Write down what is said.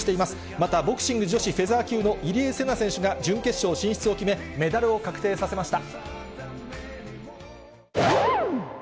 また、ボクシング女子フェザー級の入江聖奈選手が準決勝進出を決め、メダルを確定させました。